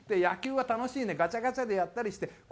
野球は楽しいねガチャガチャでやったりして。